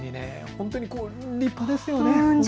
本当に立派ですよね。